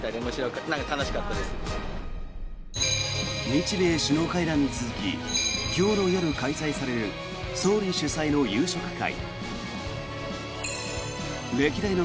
日米首脳会談に続き今日の夜、開催される総理主催の夕食会。